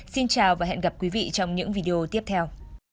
xin chào và hẹn gặp quý vị trong những video tiếp theo